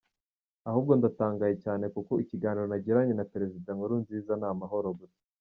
Ahubwo ndatangaye cyane kuko ikiganiro nagiranye na Perezida Nkurunziza ni amahoro gusa.